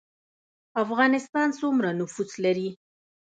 افغانستان سومره نفوس لري